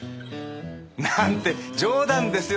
なんて冗談ですよ